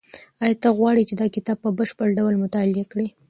ایا ته غواړې چې دا کتاب په بشپړ ډول مطالعه کړې؟